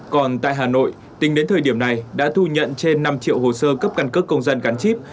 còn tại hà nội tính đến thời điểm này đã thu nhận trên năm triệu hồ sơ cấp căn cước công dân gắn chip